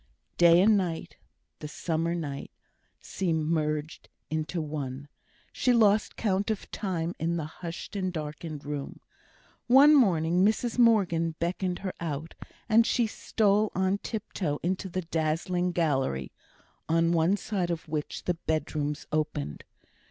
Day and night, the summer night, seemed merged into one. She lost count of time in the hushed and darkened room. One morning Mrs Morgan beckoned her out; and she stole on tiptoe into the dazzling gallery, on one side of which the bedrooms opened.